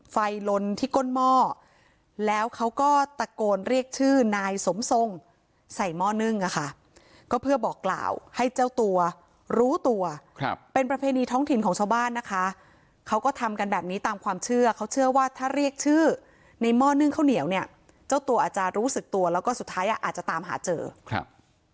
ลนที่ก้นหม้อแล้วเขาก็ตะโกนเรียกชื่อนายสมทรงใส่หม้อนึ่งอะค่ะก็เพื่อบอกกล่าวให้เจ้าตัวรู้ตัวครับเป็นประเพณีท้องถิ่นของชาวบ้านนะคะเขาก็ทำกันแบบนี้ตามความเชื่อเขาเชื่อว่าถ้าเรียกชื่อในหม้อนึ่งข้าวเหนียวเนี่ยเจ้าตัวอาจจะรู้สึกตัวแล้วก็สุดท้ายอ่ะอาจจะตามหาเจอครับ